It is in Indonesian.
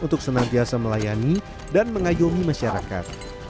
untuk senantiasa melayani dan mengayomi masyarakat